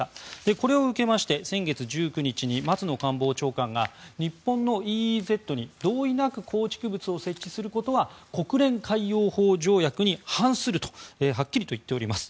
これを受けまして先月１９日に松野官房長官が日本のＥＥＺに同意なく構築物を設置することは国連海洋法条約に反するとはっきりと言っております。